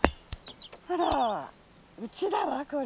あらうちだわこれ。